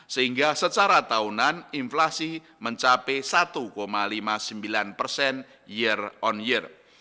sehingga secara tahunan inflasi mencapai satu lima puluh sembilan persen year on year